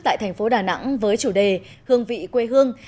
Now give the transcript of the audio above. tại thành phố đà nẵng với chủ đề hương vị quê hương